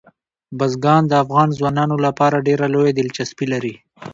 بزګان د افغان ځوانانو لپاره ډېره لویه دلچسپي لري.